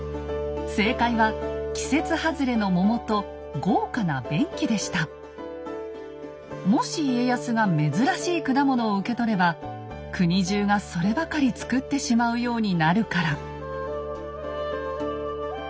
正解はもし家康が珍しい果物を受け取れば国じゅうがそればかり作ってしまうようになるから。